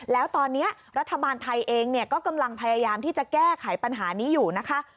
แล้วตอนนี้รัฐบาลไทยเองก็กำลังพยายามที่จะแก้ไขปัญหานี้อยู่นะคะ